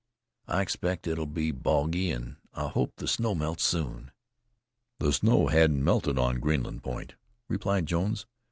I expect it'll be boggy, an' I hope the snow melts soon." "The snow hadn't melted on Greenland point," replied Jones.